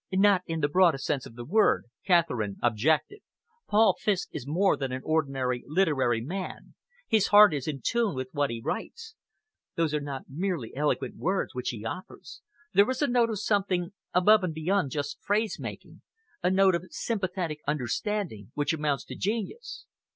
"Not in the broadest sense of the word," Catherine objected. "Paul Fiske is more than an ordinary literary man. His heart is in tune with what he writes. Those are not merely eloquent words which he offers. There is a note of something above and beyond just phrase making a note of sympathetic understanding which amounts to genius."